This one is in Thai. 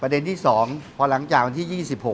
ประเด็นที่๒พอหลังจากวันที่๒๖